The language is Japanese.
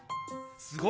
すごい！